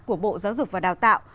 của bộ giáo dục và đào tạo